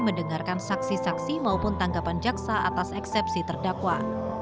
mendengarkan saksi saksi maupun tanggapan jaksa atas eksepsi terdakwa